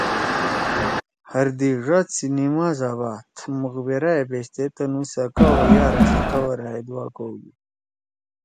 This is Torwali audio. ہردی ڙاد سی نمازا بعد مقبرہ ئے بیشتے تنُو سکا او یارا سی قوَرا ئے دُعا کؤدُود